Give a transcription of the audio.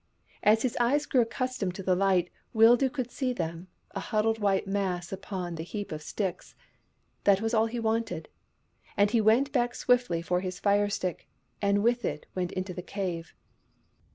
As his eyes grew accustomed to the light, Wildoo could see them — a huddled white mass upon the heap of sticks. That was all he wanted, and he went back swiftly for his fire stick, and with it went into the cave.